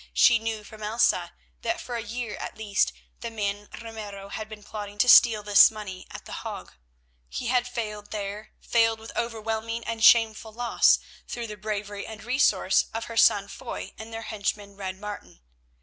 She knew from Elsa that for a year at least the man Ramiro had been plotting to steal this money at The Hague. He had failed there, failed with overwhelming and shameful loss through the bravery and resource of her son Foy and their henchman, Red Martin.